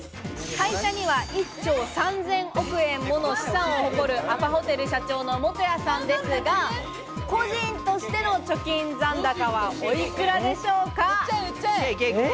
会社には１兆３０００億円もの資産を誇るアパホテル社長の元谷さんですが、個人としての貯金残高はおいくらでしょうか？